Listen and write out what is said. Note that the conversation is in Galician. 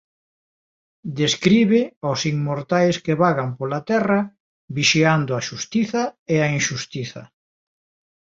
Describe aos inmortais que vagan pola terra vixiando a xustiza e a inxustiza.